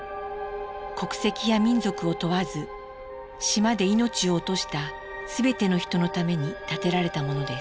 国籍や民族を問わず島で命を落とした全ての人のために建てられたものです。